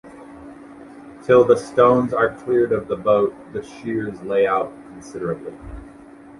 Till the stones are cleared of the boat, the shears lay out considerably.